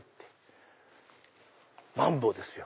マンボウですよ。